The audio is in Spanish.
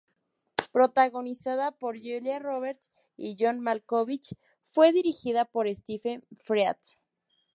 Protagonizada por Julia Roberts y John Malkovich, fue dirigida por Stephen Frears.